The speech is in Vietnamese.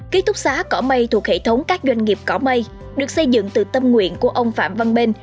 ký túc xá cỏ mây thuộc hệ thống các doanh nghiệp cỏ mây được xây dựng từ tâm nguyện của ông phạm văn bên